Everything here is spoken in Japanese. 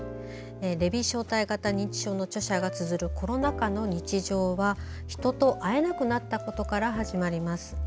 レビー小体型認知症の著者がつづるコロナ禍の日常は人と会えなくなったことから始まります。